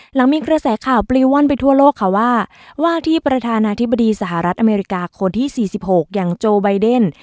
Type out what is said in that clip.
หลังมีกระแสข่าวปลิวว่อนไปทั่วโลกค่ะว่าว่าที่ประธานาธิบดีสหรัฐอเมริกาคนที่๔๖อย่างโจไบเดน